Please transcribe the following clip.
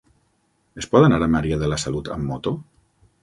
Es pot anar a Maria de la Salut amb moto?